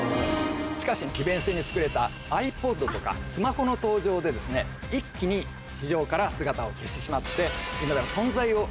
しかし利便性に優れたｉＰｏｄとかスマホの登場で一気に市場から姿を消してしまって。